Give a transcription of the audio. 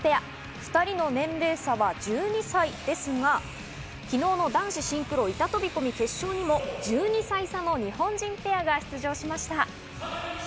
２人の年齢差は１２歳ですが、昨日の男子シンクロ・板飛び込み決勝にも１２歳差の日本人ペアが出場しました。